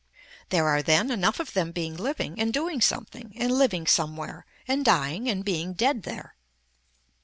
There are then enough of them being living and doing something and living somewhere and dying and being dead there.